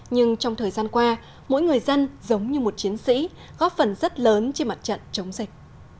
nhưng trong thời gian qua mỗi người dân giống như một chiến sĩ góp phần rất lớn trên mặt trận chống dịch